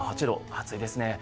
暑いですね。